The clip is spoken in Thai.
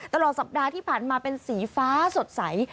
ตลอดสัปดาห์ที่ผ่านมาเป็นสีฟ้าสดใส